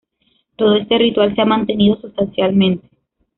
Todo este ritual se ha mantenido sustancialmente.